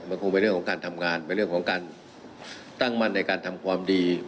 มันคงเป็นเรื่องของการทำงานเป็นเรื่องของการตั้งมั่นในการทำความดี